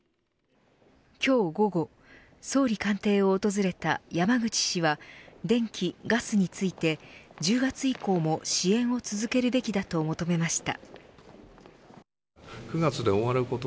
今日午後総理官邸を訪れた山口氏は電気・ガスについて１０月以降も支援を続けるべきだと求めました。